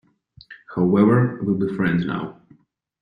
However, we’ll be friends now.